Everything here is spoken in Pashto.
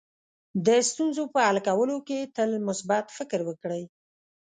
د ستونزو په حل کولو کې تل مثبت فکر وکړئ.